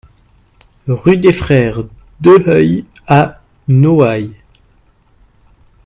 Rue des Frères Deheille à Noailles